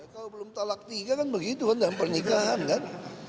kalau belum talak tiga kan begitu dan pernikahan kan